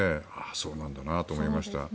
そうなんだなと思いました。